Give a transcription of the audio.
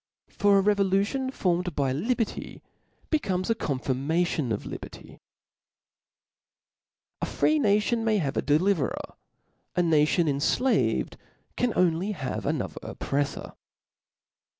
For a revolution formed by liberty be comes a confirmation of liberty, A free nation may have a deliverer ; a natioa enQaved can have only another oppreflbr.